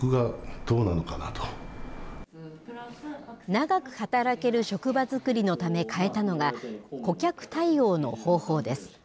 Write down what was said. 長く働ける職場作りのため変えたのが、顧客対応の方法です。